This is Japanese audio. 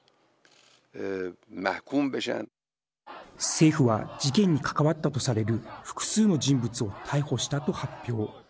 政府は事件に関わったとされる複数の人物を逮捕したと発表。